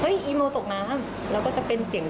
อีโมตกน้ำแล้วก็จะเป็นเสียง